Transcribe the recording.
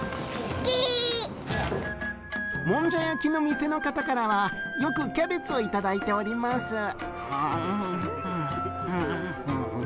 もんじゃ焼きの店の方からはよくキャベツをいただいております。